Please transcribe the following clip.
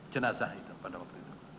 jenazah itu pada waktu itu